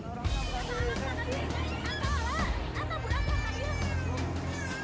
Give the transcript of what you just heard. banjir bukan permasalahan baru di jakarta dan sekitarnya